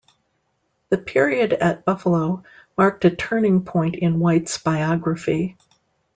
The period at Buffalo marked a turning point in White's biography.